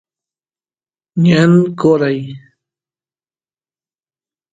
ñan qoray